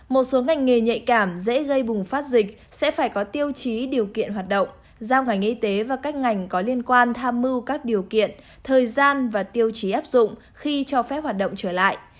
một số ngành nghề nhạy cảm dễ gây bùng phát dịch sẽ phải có tiêu chí điều kiện hoạt động giao ngành y tế và các ngành có liên quan tham mưu các điều kiện thời gian và tiêu chí áp dụng khi cho phép hoạt động trở lại